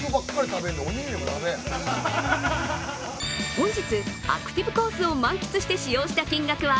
本日、アクティブコースを満喫して使用した金額は